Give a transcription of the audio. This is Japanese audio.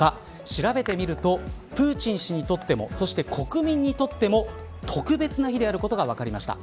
調べてみるとプーチン氏にとってもそして、国民にとっても特別な日であることが分かりました。